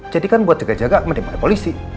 jadi kan buat jaga jaga mending pakai polisi